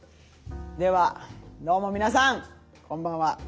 ではどうも皆さんこんばんは。